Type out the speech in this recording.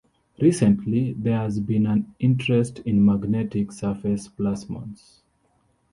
Recently, there has been an interest in magnetic surface plasmons.